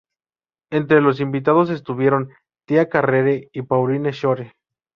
Entre los invitados estuvieron Tia Carrere y Paulie Shore.